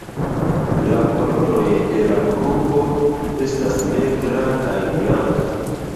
La koloroj de la klubo estas negra kaj blanka.